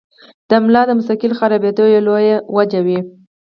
د ملا د مستقل خرابېدو يوه لويه وجه وي -